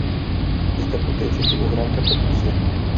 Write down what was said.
Esta ponencia tuvo gran repercusión.